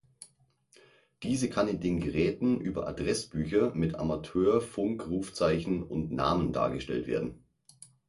Diese kann in den Geräten über Adressbücher mit Amateurfunkrufzeichen und Namen dargestellt werden.